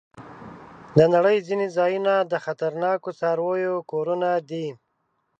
د نړۍ ځینې ځایونه د خطرناکو څارويو کورونه دي.